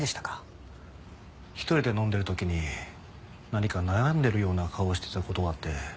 一人で飲んでる時に何か悩んでるような顔をしてた事があって。